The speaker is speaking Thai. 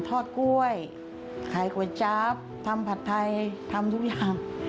ทอดกล้วยขายก๋วยจั๊บทำผัดไทยทำทุกอย่าง